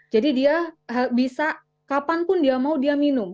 jadi dia bisa kapanpun dia mau dia minum